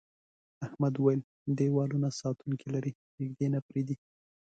احمد وویل دیوالونه او ساتونکي لري نږدې نه پرېږدي.